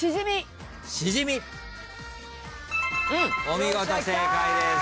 お見事正解です。